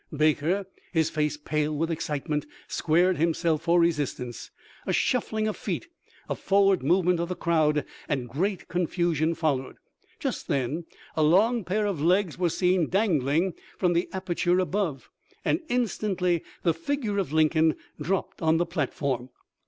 Baker, his face pale with excitement, squared himself for resist ance. A shuffling of feet, a forward movement of the crowd, and great confusion followed. Just then a long pair of legs were seen dangling from the aperture above, and instantly the figure of Lincoln dropped on the platform.